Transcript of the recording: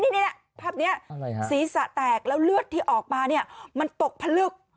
นี่ภาพนี้ศีรษะแตกแล้วเลือดที่ออกมาเนี่ยมันตกผลึก